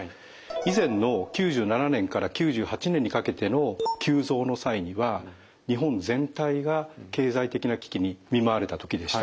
以前の９７年から９８年にかけての急増の際には日本全体が経済的な危機に見舞われた時でした。